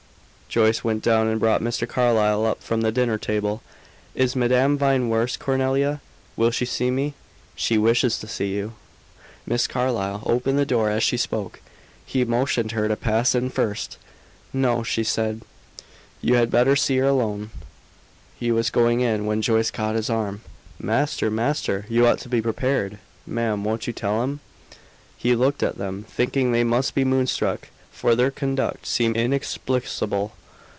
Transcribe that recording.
Joyce went down and brought Mr. Carlyle up from the dinner table. "Is Madame Vine worse, Cornelia? Will she see me?" "She wishes to see you." Miss Carlyle opened the door as she spoke. He motioned her to pass in first. "No," she said, "you had better see her alone." He was going in when Joyce caught his arm. "Master! Master! You ought to be prepared. Ma'am, won't you tell him?" He looked at them, thinking they must be moonstruck, for their conduct seemed inexplicable.